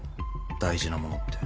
大事なものって。